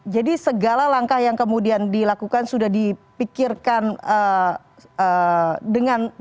jadi segala langkah yang kemudian dilakukan sudah dipikirkan dengan begitu matang